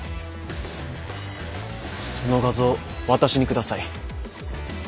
その画像私に下さい。